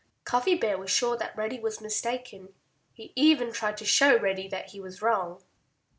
Cuffy Bear was sure that Reddy was mistaken. He even tried to show Reddy that he was wrong.